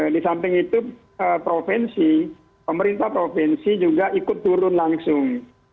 di samping itu provinsi pemerintah provinsi juga ikut turun langsung